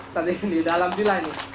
strategi ini alhamdulillah ini